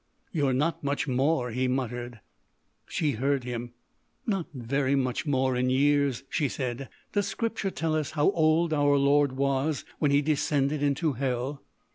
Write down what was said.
"You're not much more," he muttered. She heard him: "Not very much more—in years," she said.... "Does Scripture tell us how old Our Lord was when He descended into Hell?"